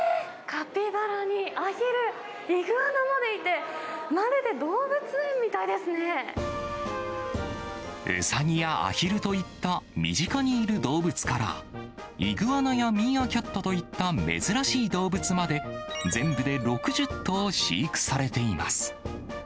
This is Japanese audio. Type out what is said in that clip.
カピバラにアヒル、イグアナまでいて、ウサギやアヒルといった身近にいる動物から、イグアナやミーアキャットといった珍しい動物まで、全部で６０頭飼育されています。